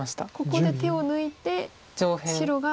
ここで手を抜いて白が。